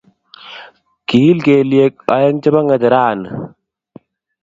kiil kelyek oeng' chebo ng'echerani